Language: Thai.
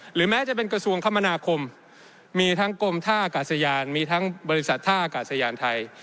แม้จะเป็นกระทรวงคมนาคมมีทั้งกรมท่าอากาศยานมีทั้งบริษัทท่าอากาศยานไทย